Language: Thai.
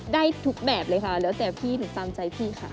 ได้ทุกแบบเลยค่ะแล้วแต่พี่หนูตามใจพี่ค่ะ